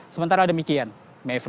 sementara demikian mevry